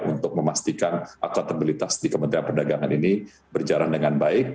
untuk memastikan akuatabilitas di kementerian perdagangan ini berjalan dengan baik